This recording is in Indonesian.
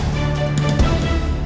saya mau ke rumah